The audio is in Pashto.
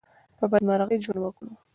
په بدمرغي ژوند وکړو.